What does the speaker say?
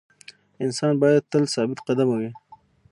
انسان باید تل ثابت قدمه وي.